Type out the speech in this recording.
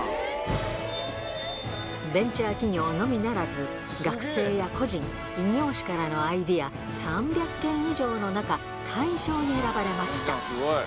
ベンチャー企業のみならず、学生や個人、異業種からのアイデア３００件以上の中、大賞に選ばれました。